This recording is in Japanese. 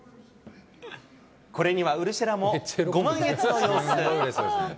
これにはウルシェラもご満悦の様子。